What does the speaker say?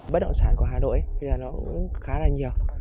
bất đồng sản của hà nội bây giờ cũng khá là nhiều